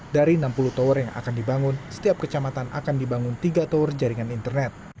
dari enam puluh tower yang akan dibangun setiap kecamatan akan dibangun tiga tower jaringan internet